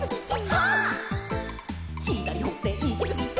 「はっ」「ひだりほっていきすぎて」